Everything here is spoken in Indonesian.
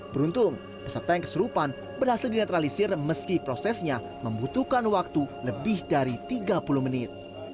beruntung peserta yang kesurupan berhasil dinetralisir meski prosesnya membutuhkan waktu lebih dari tiga puluh menit